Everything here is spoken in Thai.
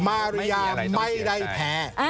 มาริยาไม่ได้แพ้